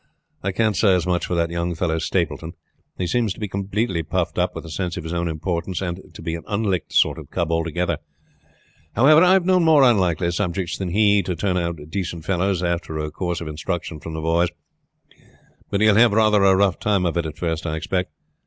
I can't say as much for that young fellow Stapleton. He seems to be completely puffed up with the sense of his own importance, and to be an unlicked sort of cub altogether. However, I have known more unlikely subjects than he is turn out decent fellows after a course of instruction from the boys; but he will have rather a rough time of it at first I expect.